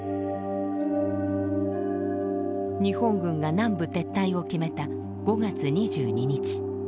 日本軍が南部撤退を決めた５月２２日。